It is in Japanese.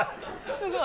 すごい。